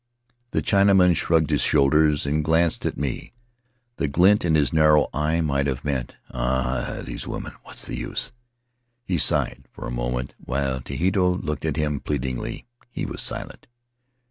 The Chinaman shrugged his shoulders and glanced at me. The glint in his narrow eye might have meant, "Ah, these women — what's the use!' He sighed; for a moment, while Tehinatu looked at him pleadingly, he was silent.